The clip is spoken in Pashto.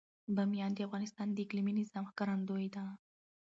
بامیان د افغانستان د اقلیمي نظام ښکارندوی ده.